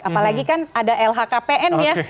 apalagi kan ada lhkpn nya